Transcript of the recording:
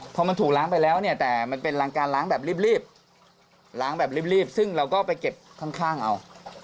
พอมันถูกล้างไปแล้วแต่มันเป็นการล้างแบบรีบซึ่งเราก็ไปเก็บข้างเอา